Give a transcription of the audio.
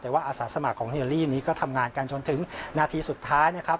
แต่ว่าอาสาสมัครของเฮลลี่นี้ก็ทำงานกันจนถึงนาทีสุดท้ายนะครับ